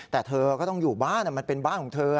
แต่เธอก็ต้องอยู่บ้านมันเป็นบ้านของเธอ